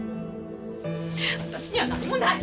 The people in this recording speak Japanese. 私には何もない！